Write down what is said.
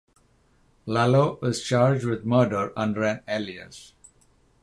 Lalo is charged with murder under an alias.